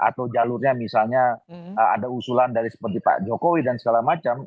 atau jalurnya misalnya ada usulan dari seperti pak jokowi dan segala macam